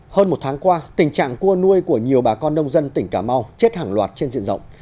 hơn một tháng qua tình trạng cua nuôi của nhiều bà con nông dân tỉnh cà mau chết hàng loạt trên diện rộng